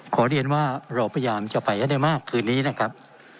ขอเรียนว่าเราพยายามจะไปให้ได้มากคืนนี้นะครับ